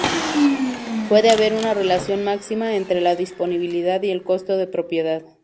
Puede haber una relación máxima entre la disponibilidad y el costo de propiedad.